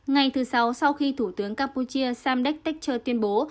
ngày thứ sáu sau khi thủ tướng campuchia sam dek teccho tuyên bố